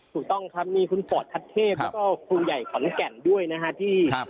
ถูกต้องครับมีคุณปอดทัศเทพแล้วก็ครูใหญ่ขอนแก่นด้วยนะฮะที่